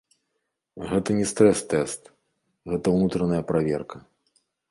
Гэта не стрэс-тэст, гэта ўнутраная праверка.